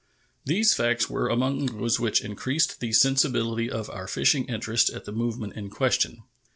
These facts were among those which increased the sensibility of our fishing interest at the movement in question.